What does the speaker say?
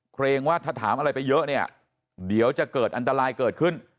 เกรงว่าถ้าถามอะไรไปเยอะเนี่ยเดี๋ยวจะเกิดอันตรายเกิดขึ้น